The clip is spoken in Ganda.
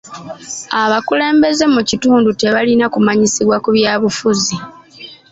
Abakulembeze mu kitundu tebalina kumanyisibwa ku byabufuzi.